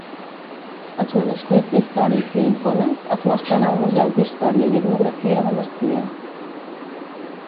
Els manuscrits històrics i icones es mostren al Museu d'Història i Etnografia de Mestia.